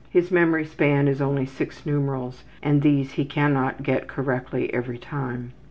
His memory span is only six numerals, and these he cannot get correctly every time.